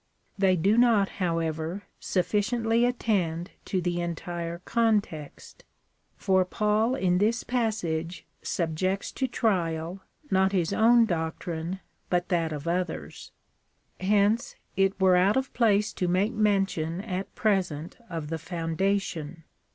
They do not, however, sufiiciently attend, to the entire context. For Paul in this passage subjects to trial, not his own doctrine, but that of others.^ Hence it were out of place to make mention at present of the founda tion.